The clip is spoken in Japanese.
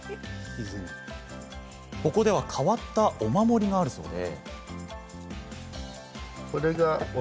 ここでは変わったお守りがあるそうで。